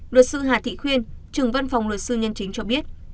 luật sư hà thị khuyên trưởng văn phòng luật sư nhân chính cho biết